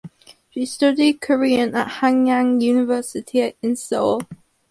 She studied Korean at Hanyang University in Seoul.